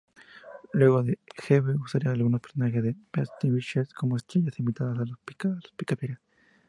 Luego, H-B usaría algunos personajes de "Bewitched" como estrellas invitadas a "Los Picapiedra".